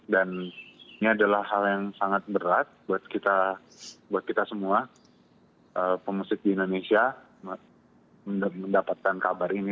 dan ini adalah hal yang sangat berat buat kita semua pemusik di indonesia mendapatkan kabar ini